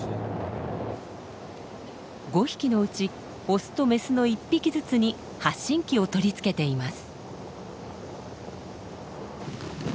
５匹のうちオスとメスの１匹ずつに発信器を取り付けています。